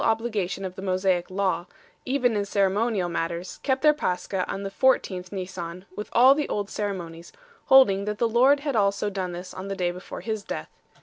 obligation of the Mosaic law, even in ceremonial matters, kept their Pascha on the L4th JNisan with all the old ceremonies, holding that the Lord had also done this on the day before His death.